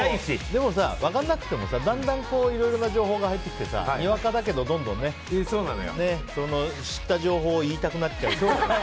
でもさ、分からなくてもだんだんいろいろな情報が入ってきてにわかだけど、どんどんね知った情報を言いたくなっちゃう。